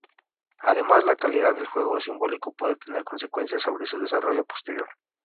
Además, la calidad del juego simbólico puede tener consecuencias sobre su desarrollo posterior.